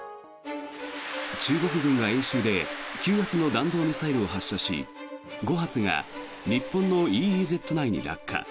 中国軍が演習で９発の弾道ミサイルを発射し５発が日本のＥＥＺ内に落下。